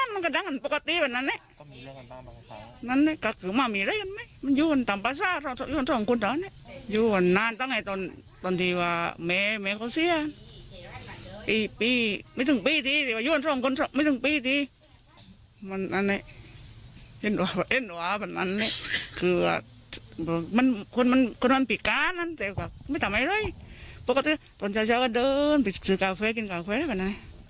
ไม่ทำไมเลยตอนเช้าเช้าก็เดินไปซื้อกาเฟ่กินกาเฟ่แล้วก็ไหน